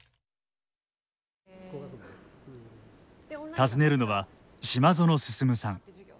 尋ねるのは島薗進さん。